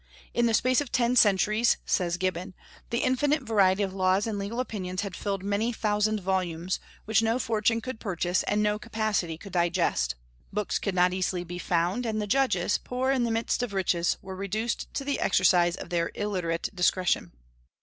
"In the space of ten centuries," says Gibbon, "the infinite variety of laws and legal opinions had filled many thousand volumes, which no fortune could purchase, and no capacity could digest. Books could not easily be found, and the judges, poor in the midst of riches, were reduced to the exercise of their illiterate discretion."